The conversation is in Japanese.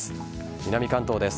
南関東です。